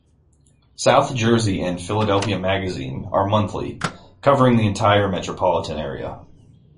"South Jersey" and "Philadelphia Magazine" are monthly, covering the entire metropolitan area.